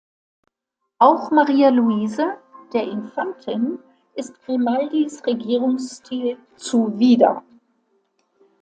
Auch Maria Luise, der Infantin, ist Grimaldis Regierungsstil zuwider.